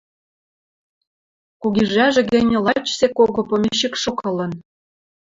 Кугижӓжӹ гӹнь лач сек кого помещикшок ылын.